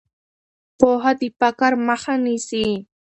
پوهه د فقر مخه نیسي.